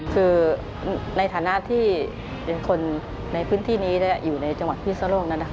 คือในฐานะที่เป็นคนในพื้นที่นี้และอยู่ในจังหวัดพิศโลกนั้นนะคะ